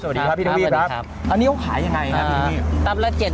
สวัสดีครับพี่ทวีปครับอันนี้เขาขายอย่างไรครับพี่ทวีป